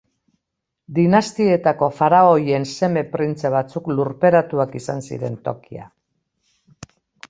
Dinastietako faraoien seme printze batzuk lurperatuak izan ziren tokia.